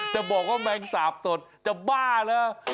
จะบอกว่าแมงสาบสดจะบ้าเหรอ